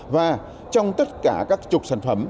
và trong tất cả các trục sản phẩm